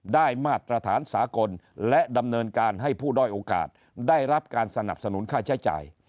มาตรฐานสากลและดำเนินการให้ผู้ด้อยโอกาสได้รับการสนับสนุนค่าใช้จ่าย